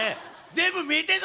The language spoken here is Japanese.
全部見えてんぞ！